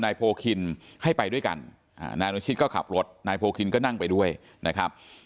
นายโพคินให้ไปด้วยกันนายอนุชิตก็ขับรถนายโพคินก็นั่งไปด้วยนะครับ